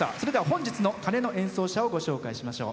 本日の鐘の演奏者をご紹介しましょう。